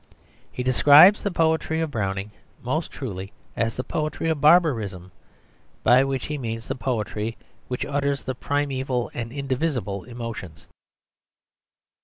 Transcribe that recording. He describes the poetry of Browning most truly as the poetry of barbarism, by which he means the poetry which utters the primeval and indivisible emotions.